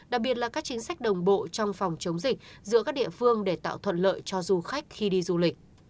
đặc biệt là các chính sách đồng bộ trong phòng chống dịch giữa các địa phương để tạo thuận lợi cho du khách khi đi du lịch